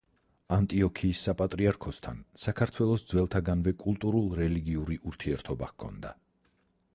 ანტიოქიის საპატრიარქოსთან საქართველოს ძველთაგანვე კულტურულ-რელიგიური ურთიერთობა ჰქონდა.